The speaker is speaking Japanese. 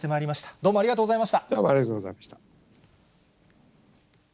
どうもありがとうございまし